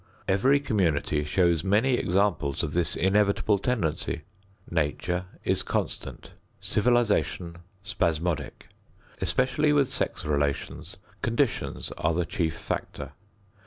Every community shows many examples of this inevitable tendency. Nature is constant; civilization spasmodic. Especially with sex relations, conditions are the chief factor.